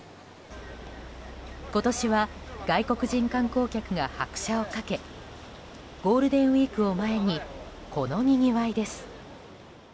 今年は外国人観光客が拍車を掛けゴールデンウィークを前にこのにぎわいです。